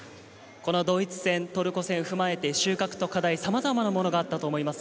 ドイツ戦、トルコ戦を踏まえて収穫と課題、さまざまあったと思います。